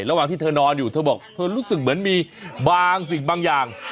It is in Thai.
ระหว่างที่เธอนอนอยู่เธอบอกเธอรู้สึกเหมือนมีบางสิ่งบางอย่าง